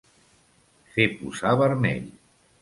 Fer posar vermell.